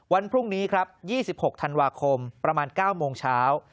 วันพรุ่งนี้ครับ๒๖ธันวาคมประมาณ๙โมงเช้า